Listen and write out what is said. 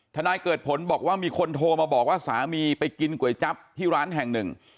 นายเกิดผลบอกว่ามีคนโทรมาบอกว่าสามีไปกินก๋วยจั๊บที่ร้านแห่งหนึ่ง